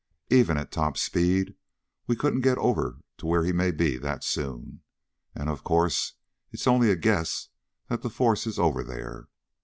Even at top speed we couldn't get over to where he may be that soon. And, of course, it's only a guess that the force is over there.